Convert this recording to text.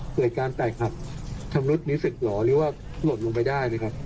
เกิดการแตกหักชำรุดนิสิตหล่อหรือว่าหล่นลงไปได้นะครับ